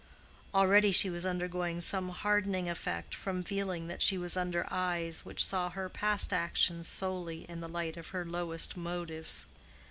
Already she was undergoing some hardening effect from feeling that she was under eyes which saw her past actions solely in the light of her lowest motives.